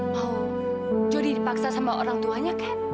mau jodi dipaksa sama orang tuanya kak